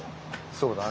そうだね。